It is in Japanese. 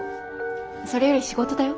それより仕事だよ。